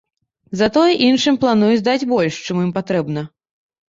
Затое іншым плануюць даць больш, чым ім патрэбна.